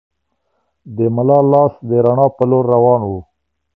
د ملا لاس د رڼا په لور روان و.